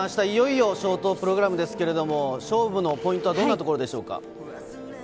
いよいよショートプログラムですけど、勝負のポイントはどんなところでしょうか？